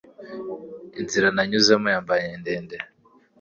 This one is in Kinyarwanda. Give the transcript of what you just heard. inzira nanyuzemo yambanye ndende